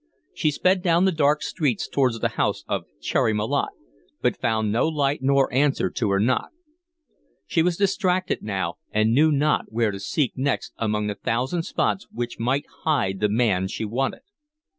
She sped down the dark streets towards the house of Cherry Malotte, but found no light nor answer to her knock. She was distracted now, and knew not where to seek next among the thousand spots which might hide the man she wanted.